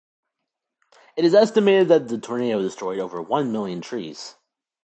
It is estimated that the tornado destroyed over one million trees.